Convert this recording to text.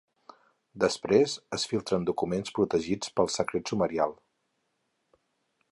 Després es filtren documents protegits pel secret sumarial.